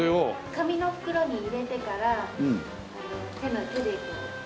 紙の袋に入れてから手でこう。